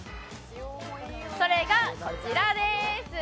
それがこちらでーす。